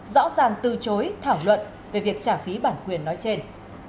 rõ ràng từ chối thảo luận về việc trả phí bản quyền nói trên